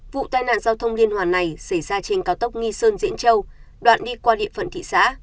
vụ tai nạn giao thông liên hoàn này xảy ra trên cao tốc nghi sơn diễn châu đoạn đi qua địa phận thị xã